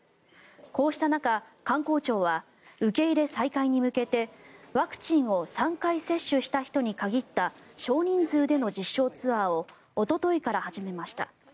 こうした中、観光庁は受け入れ再開に向けてワクチンを３回接種した人に限った少人数での実証ツアーをおとといから始めました。